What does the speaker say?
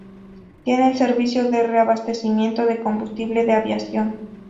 Tiene el servicio de reabastecimiento de combustible de aviación.